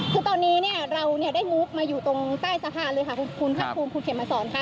คือตอนนี้เนี่ยเราเนี่ยได้งบมาอยู่ตรงใต้สะพานเลยค่ะคุณภาคภูมิคุณเข็มมาสอนค่ะ